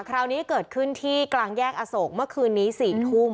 คราวนี้เกิดขึ้นที่กลางแยกอโศกเมื่อคืนนี้๔ทุ่ม